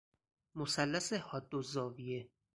مثلث حادالزاویه